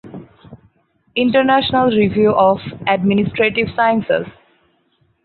International Review of Administrative Sciences.